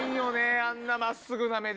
あんな真っすぐな目で。